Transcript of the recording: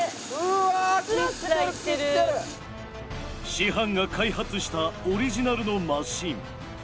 師範が開発したオリジナルのマシン。